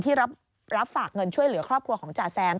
ที่รับฝากเงินช่วยเหลือครอบครัวของจ่าแซม